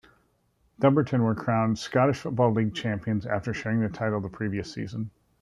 Dumbarton were crowned Scottish Football League champions after sharing the title the previous season.